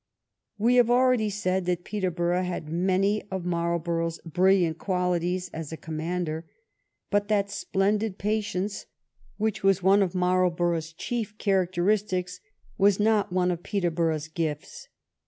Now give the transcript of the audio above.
We have already said that Peterborough had many of Marlborough's brilliant qualities as a commander, but that splendid patience which was one of Marl borough's chief characteristics was not one of Peter borough's gifts.